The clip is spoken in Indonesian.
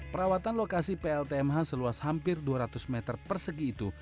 perawatan lokasi pltmh seluas hampir dua ratus meter persegi itu